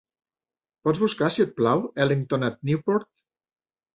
Pots buscar si et plau Ellington at Newport?